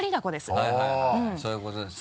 はいはいそういうことですよね。